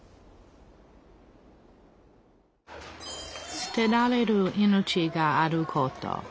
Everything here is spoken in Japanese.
すてられる命があること